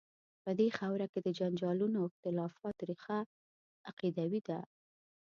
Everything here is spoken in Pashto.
په دې خاوره کې د جنجالونو او اختلافات ریښه عقیدوي ده.